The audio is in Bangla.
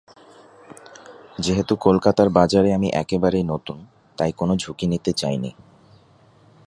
যেহেতু কলকাতার বাজারে আমি একেবারেই নতুন, তাই কোনো ঝুঁকি নিতে চাইনি।